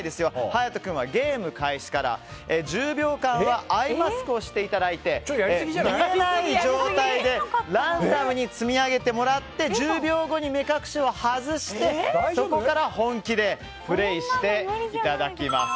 勇人君はゲーム開始から１０秒間はアイマスクをしていただいて目隠しの状態でランダムに積み上げてもらって１０秒後に目隠しを外してそこから本気でプレーしていただきます。